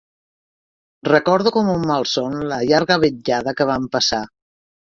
Recordo com un malson la llarga vetllada que vam passar